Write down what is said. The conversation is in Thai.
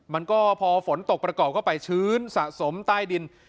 มันก็พอฝนตกประกอบเข้าไปชื้นสะสมใต้ดิน